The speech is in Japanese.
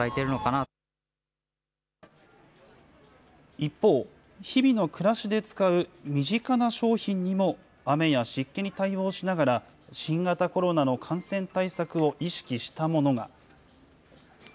一方、日々の暮らしで使う身近な商品にも、雨や湿気に対応しながら、新型コロナの感染対策を意識したものが。